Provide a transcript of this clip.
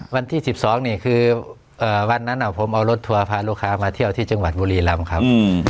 วันที่๑๒นี่คือวันนั้นผมเอารถทัวร์พาลูกค้ามาเที่ยวที่จังหวัดบุรีรำครับ